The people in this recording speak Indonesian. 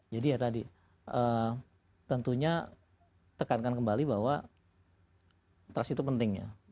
jadi ya tadi tentunya tekankan kembali bahwa trust itu penting ya